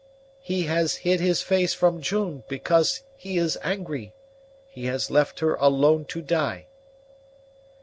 "He has hid his face from June because he is angry. He has left her alone to die."